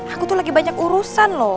aku sekarang itu lagi ada halnya